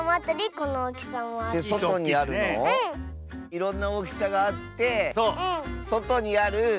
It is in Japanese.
いろんなおおきさがあってそとにある。